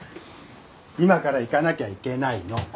今から行かなきゃいけないの！